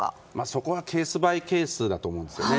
そこはケースバイケースだと思いますね。